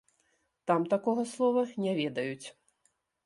Там такога слова не ведаюць.